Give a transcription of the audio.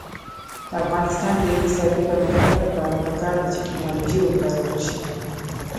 د افغانستان د اقتصادي پرمختګ لپاره پکار ده چې ټیکنالوژي وکارول شي.